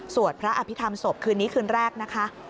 สวดพระอภิษฐรรมศพคืนนี้คืนแรกนะคะ